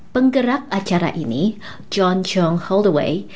penggerak acara ini john chung holdaway